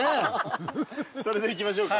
それでいきましょうか。